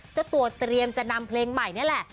เจ้าตัวเตรียมจะนำเพลงใหม่นี่แหละ